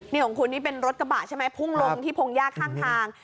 นี่ของคุณนี่เป็นรถกระบะใช่ไหมพุ่งลงที่พงหญ้าข้างทาง